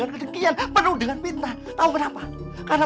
kalau kau gembal sama aku